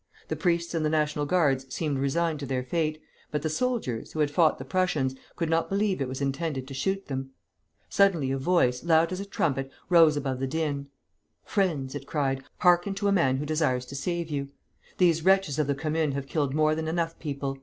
The priests and the National Guards seemed resigned to their fate, but the soldiers, who had fought the Prussians, could not believe it was intended to shoot them. Suddenly a voice, loud as a trumpet, rose above the din. 'Friends,' it cried, 'hearken to a man who desires to save you. These wretches of the Commune have killed more than enough people.